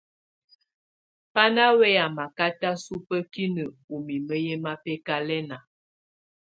Bá ná wɛ́yá mákátá súbǝ́kinǝ́ ú mimǝ́ yɛ́ mábɛ́kálɛ́na.